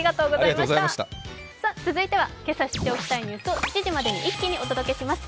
続いてはけさ知っておきたいニュースを７時までに一気にお届けします。